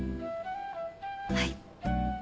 はい。